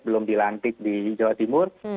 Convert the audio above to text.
belum dilantik di jawa timur